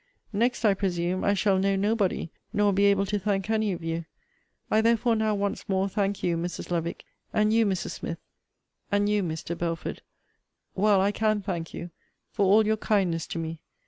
Next, I presume, I shall know nobody, nor be able to thank any of you; I therefore now once more thank you, Mrs. Lovick, and you, Mrs. Smith, and you, Mr. Belford, while I can thank you, for all your kindness to me.